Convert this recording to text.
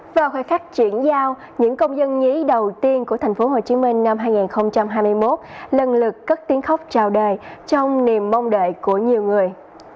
vào khoảnh khắc chuyển giao những công dân nhí đầu tiên của thành phố hồ chí minh năm hai nghìn hai mươi một lần lượt cất tiếng khóc chào đời trong niềm mong đợi của nhiều người